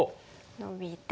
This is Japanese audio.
ノビて。